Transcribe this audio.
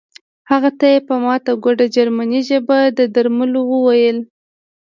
هغه ته یې په ماته ګوډه جرمني ژبه د درملو وویل